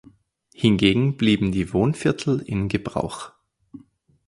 Hingegen blieben die Wohnviertel in Gebrauch.